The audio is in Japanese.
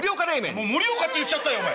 もう盛岡って言っちゃったよお前。